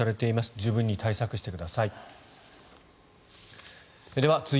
十分に対策してください。